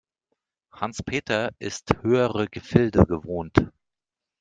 Hans-Peter ist höhere Gefilde gewohnt.